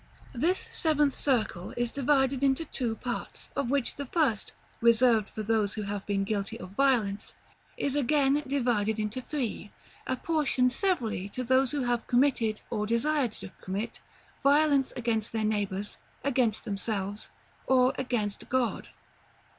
This seventh circle is divided into two parts; of which the first, reserved for those who have been guilty of Violence, is again divided into three, apportioned severally to those who have committed, or desired to commit, violence against their neighbors, against themselves, or against God.